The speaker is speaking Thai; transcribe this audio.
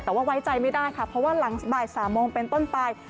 แต่ว่าไว้ใจไม่ได้ค่ะเพราะว่าหลังบ่าย๓โมงเป็นต้นไป